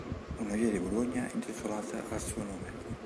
Una via di Bologna è intitolata al suo nome.